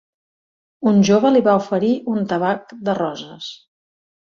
Un jove li va oferir un tabac de roses.